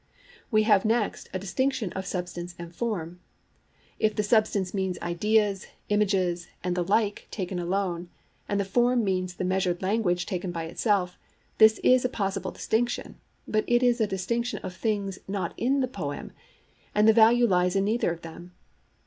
We have next a distinction of substance and form. If the substance means ideas, images, and the like taken alone, and the form means the measured language taken by itself, this is a possible distinction, but it is a distinction of things not in the poem, and the value lies in neither of them.